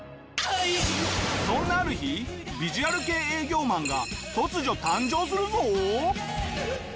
そんなある日ヴィジュアル系営業マンが突如誕生するぞ。